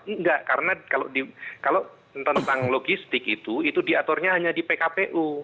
enggak karena kalau tentang logistik itu itu diaturnya hanya di pkpu